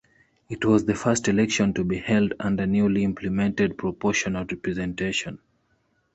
It was the first election to be held under newly implemented proportional representation.